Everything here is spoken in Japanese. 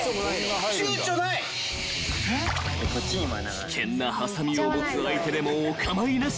［危険なはさみを持つ相手でもお構いなし］